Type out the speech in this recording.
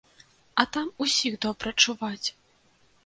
А там усіх добра чуваць.